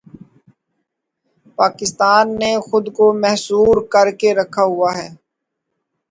پاکستان نے خود کو محصور کر کے رکھا ہوا ہے۔